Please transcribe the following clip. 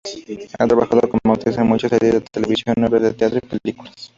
Ha trabajado como actriz en muchas series de televisión, obras de teatro y películas.